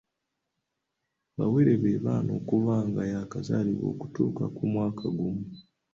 Abawere be baana okuva nga y'akazaalibwa okutuuka ku mwaka gumu.